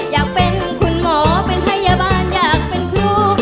อยากเป็นคุณหมอเป็นพยาบาลอยากเป็นครู